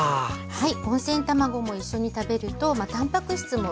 はい。